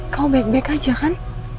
kau baik baik aja kan